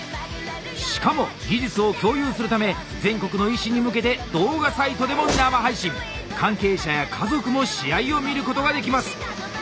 しかも技術を共有するため全国の医師に向けて関係者や家族も試合を見ることができます。